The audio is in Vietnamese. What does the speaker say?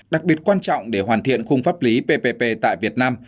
đặc biệt quan trọng để hoàn thiện khung pháp lý ppp tại việt nam